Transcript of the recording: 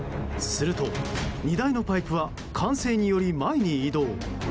すると、荷台のパイプは慣性により前に移動。